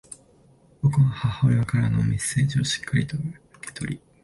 僕は母親からのメッセージをしっかりと受け取り、